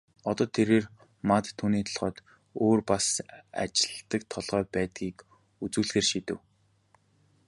Одоо тэрээр Мад түүний толгойноос өөр бас ажилладаг толгой байдгийг үзүүлэхээр шийдэв.